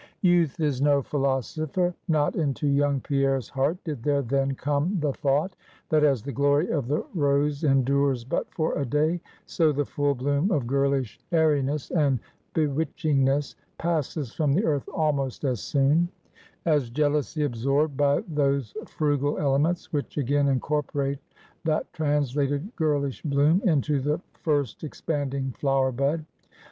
Youth is no philosopher. Not into young Pierre's heart did there then come the thought, that as the glory of the rose endures but for a day, so the full bloom of girlish airiness and bewitchingness, passes from the earth almost as soon; as jealously absorbed by those frugal elements, which again incorporate that translated girlish bloom, into the first expanding flower bud.